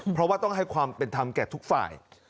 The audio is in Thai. เพราะว่าต้องให้ความเป็นธรรมแก่ทุกฝ่าย